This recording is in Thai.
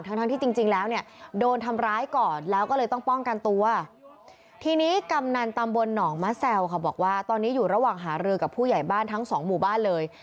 ทั้งทั้งที่จริงแล้วเนี่ยโดนทำร้ายก่อนแล้วก็เลยต้องป้องกันตัวทีนี้กำนันตำบลหนองมะแซวค่ะบอกว่าตอนนี้อยู่ระหว่างหารือกับผู้ใหญ่บ้านทั้งสองหมู่บ้านเลย